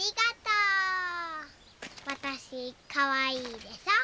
わたしかわいいでしょ？